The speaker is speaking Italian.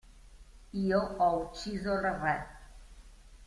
Io ho ucciso il Re.